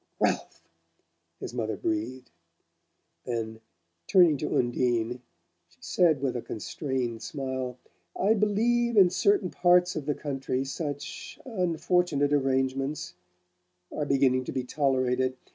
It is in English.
"RALPH!" his mother breathed; then, turning to Undine, she said with a constrained smile: "I believe in certain parts of the country such unfortunate arrangements are beginning to be tolerated.